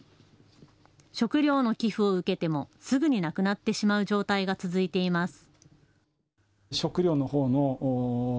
食料の寄付を受けてもすぐになくなってしまう状態が続いています。